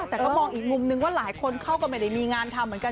แต่ก็มองอีกมุมนึงว่าหลายคนเขาก็ไม่ได้มีงานทำเหมือนกัน